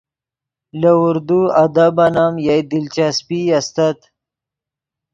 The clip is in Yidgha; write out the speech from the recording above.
لے اردو ادبن ام یئے دلچسپی استت